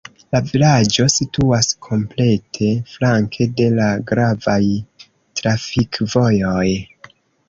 La vilaĝo situas komplete flanke de la gravaj trafikvojoj.